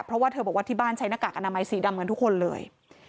เพราะว่าเธอบอกว่าที่บ้านใช้หน้ากากอนามัยสีดำกันทุกคนเลย